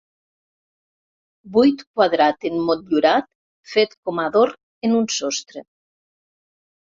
Buit quadrat emmotllurat fet com a adorn en un sostre.